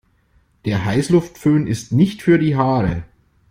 Der Heißluftföhn ist nicht für die Haare.